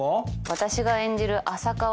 私が演じる浅川